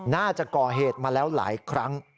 น่าจะก่อเหตุมาแล้วหลายครั้ง